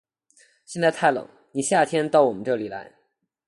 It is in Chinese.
现在太冷，你夏天到我们这里来。